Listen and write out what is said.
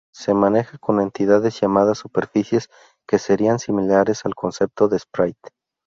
Se maneja con entidades llamadas superficies, que serían similares al concepto de Sprite.